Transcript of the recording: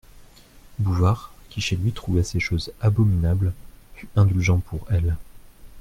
Bouvard, qui chez lui trouvait ces choses abominables, fut indulgent pour elles.